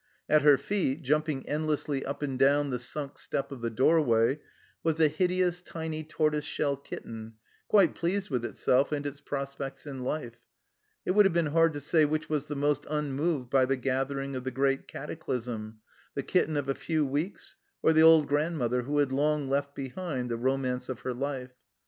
At her feet, jumping endlessly up and down the sunk step of the doorway, was a hideous tiny tortoise shell kitten, quite pleased w r ith itself and its prospects in life ; it would have been hard to say which was the most unmoved by the gathering of the great cataclysm, the kitten of a few weeks, or the old grandmother who had long left behind the romance of her life.